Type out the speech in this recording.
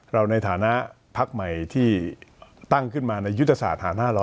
ในฐานะพักใหม่ที่ตั้งขึ้นมาในยุทธศาสตร์ฐานะเรา